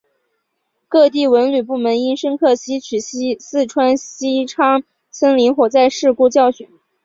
各地文旅部门应深刻吸取四川西昌森林火灾事故教训